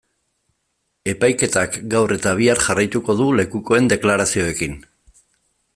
Epaiketak gaur eta bihar jarraituko du lekukoen deklarazioekin.